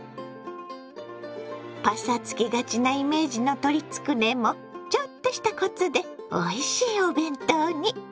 パサつきがちなイメージの鶏つくねもちょっとしたコツでおいしいお弁当に。